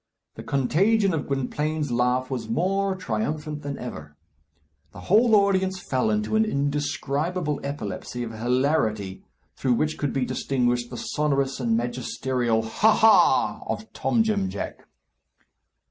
The contagion of Gwynplaine's laugh was more triumphant than ever. The whole audience fell into an indescribable epilepsy of hilarity, through which could be distinguished the sonorous and magisterial ha! ha! of Tom Jim Jack.